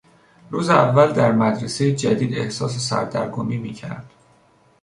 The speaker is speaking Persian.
روز اول در مدرسهی جدید احساس سردرگمی میکرد.